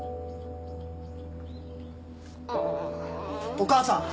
お母さん。